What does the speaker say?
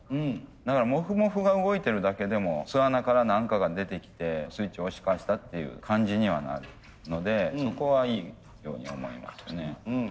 だからモフモフが動いてるだけでも巣穴から何かが出てきてスイッチを押し返したっていう感じにはなるのでそこはいいように思いますね。